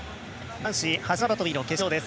男子走り幅跳びの決勝です。